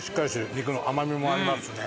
肉の甘味もありますしね。